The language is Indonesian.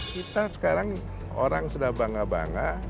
kita sekarang orang sudah bangga bangga